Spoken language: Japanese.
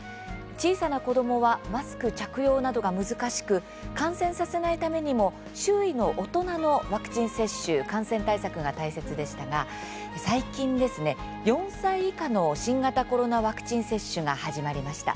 小さな子どもはマスク着用などが難しく感染させないためにも周囲の大人のワクチン接種感染対策が大切でしたが最近ですね、４歳以下の新型コロナワクチン接種が始まりました。